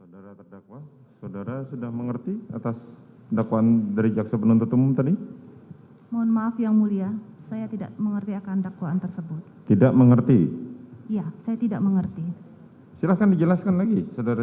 dalam persidangan ini putri mengaku tidak mengerti atas isi dakwaan yang dibacakan oleh jpu